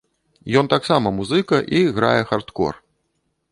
Ён таксама музыка і грае хардкор.